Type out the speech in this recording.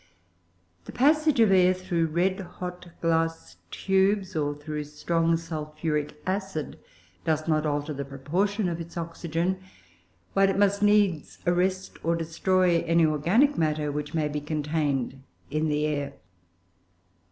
The passage of air through red hot glass tubes, or through strong sulphuric acid, does not alter the proportion of its oxygen, while it must needs arrest, or destroy, any organic matter which may be contained in the air.